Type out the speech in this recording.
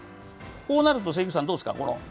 こうなると関口さん、どうですか？